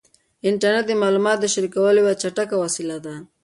انټرنیټ د معلوماتو د شریکولو یوه چټکه وسیله ده.